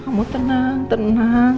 kamu tenang tenang